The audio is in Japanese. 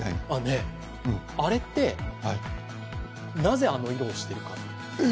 あれって、なぜあの色をしてるか？